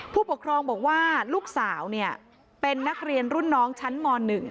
ผู้ปกครองบอกว่าลูกสาวเป็นนักเรียนรุ่นน้องชั้นม๑